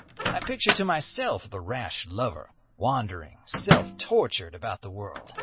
"I picture to myself the rash lover, wandering, self tortured, about the world.